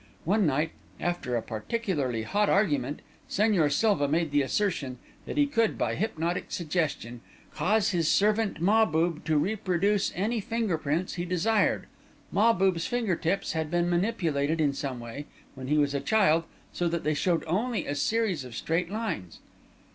One night, after a particularly hot argument, Señor Silva made the assertion that he could, by hypnotic suggestion, cause his servant Mahbub to reproduce any finger prints he desired. Mahbub's finger tips had been manipulated in some way, when he was a child, so that they showed only a series of straight lines."